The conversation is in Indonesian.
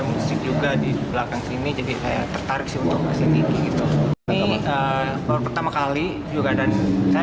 musik juga di belakang sini jadi saya tertarik untuk kesini ini pertama kali juga dan saya